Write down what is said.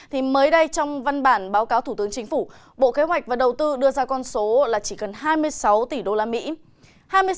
thì mới đây trong văn bản báo cáo thủ tướng chính phủ bộ kế hoạch và đầu tư đưa ra con số là chỉ cần hai mươi sáu tỷ đô la mỹ